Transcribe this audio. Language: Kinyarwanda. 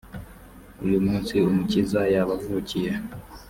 uyu munsi umukiza yabavukiye .